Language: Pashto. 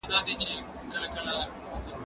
زه به کالي وچولي وي،